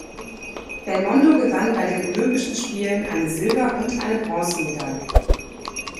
Belmondo gewann bei den Olympischen Spielen eine Silber- und eine Bronzemedaille.